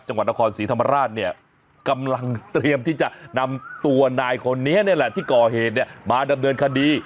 จังหวัดนครศรีธรรมราชเนี่ยกำลังเตรียมที่จะนำตัวนายคนนี้นี่แหละที่ก่อเหตุเนี่ยมาดำเนินคดี